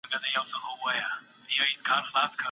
د کلمو په سمه بڼه پوهېدل یوازې په املا کي ممکن دي.